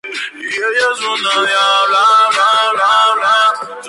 En Estados Unidos, hay pequeñas plantaciones de esta variedad en California.